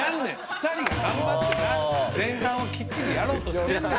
２人が頑張ってな前半をきっちりやろうとしてんねん。